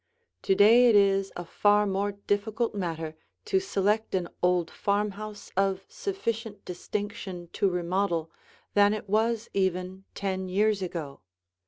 To day it is a far more difficult matter to select an old farmhouse of sufficient distinction to remodel than it was even ten years ago.